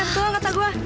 tuh kata gue